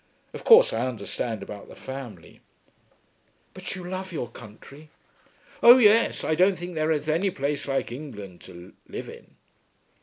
Of course I understand about the family." "But you love your country?" "Oh yes. I don't think there's any place like England, to live in."